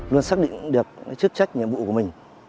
luôn xác định được chức trách nhiệm vụ của mình